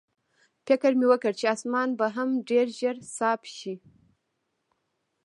فکر مې وکړ چې اسمان به هم ډېر ژر صاف شي.